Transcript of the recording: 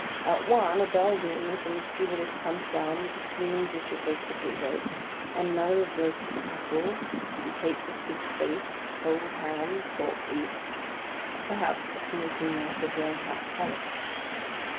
At one, a bell rings, and the stewardess comes down with a steaming dish of baked potatoes, and another of roasted apples; and plates of pig's face, cold ham, salt beef; or perhaps a smoking mess of rare hot collops.